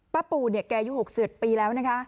ป้าปู่แกยู๖๐ปีแล้วนะคะ